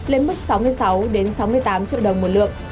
lên mức sáu mươi sáu sáu mươi tám triệu đồng một lượng